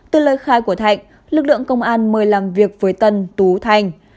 từ lời khai của thạnh lực lượng công an mời làm việc với tân tú thành